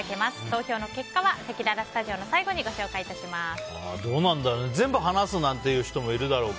投票の結果はせきららスタジオの最後にどうなんだろう。